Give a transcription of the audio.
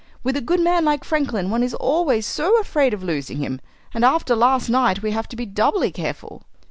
With a good man like Franklin one is always so afraid of losing him and after last night we have to be doubly careful."